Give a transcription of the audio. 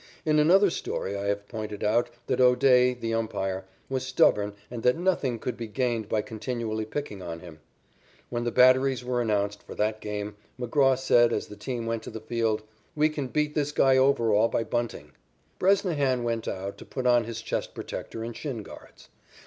In another story I have pointed out that O'Day, the umpire, was stubborn and that nothing could be gained by continually picking on him. When the batteries were announced for that game, McGraw said as the team went to the field: "We can beat this guy Overall by bunting." Bresnahan went out to put on his chest protector and shin guards.